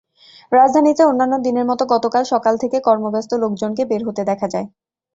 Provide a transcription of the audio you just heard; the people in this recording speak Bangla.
রাজধানীতে অন্যান্য দিনের মতো গতকাল সকাল থেকে কর্মব্যস্ত লোকজনকে বের হতে দেখা যায়।